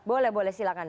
boleh boleh silakan